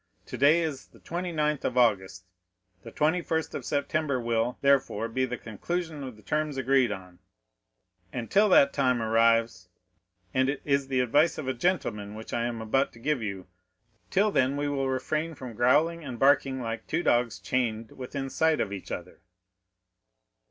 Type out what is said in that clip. Today is the 29th of August; the 21st of September will, therefore, be the conclusion of the term agreed on, and till that time arrives—and it is the advice of a gentleman which I am about to give you—till then we will refrain from growling and barking like two dogs chained within sight of each other."